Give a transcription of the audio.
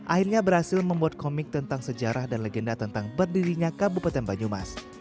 akhirnya berhasil membuat komik tentang sejarah dan legenda tentang berdirinya kabupaten banyumas